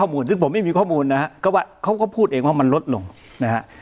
ข้อมูลซึ่งผมไม่มีข้อมูลนะฮะก็ว่าเขาก็พูดเองว่ามันลดลงนะฮะ